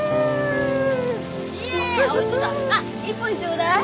あっ１本ちょうだい。